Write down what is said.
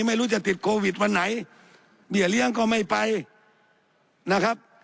ไม่รู้จะติดโควิดวันไหนเบี้ยเลี้ยงก็ไม่ไปนะครับ